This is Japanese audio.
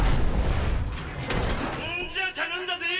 んじゃ頼んだぜぇ！